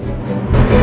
aku bisa buat apa apa